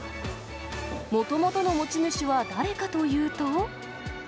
もともとの持ち主は誰かというと。